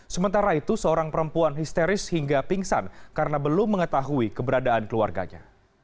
sementara itu seorang perempuan histeris hingga pingsan karena belum mengetahui keberadaan keluarganya